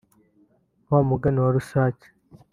Wa mugani wa Rusake